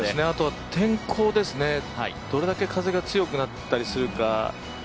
あとは天候ですね、どれだけ風が強くなったりするか。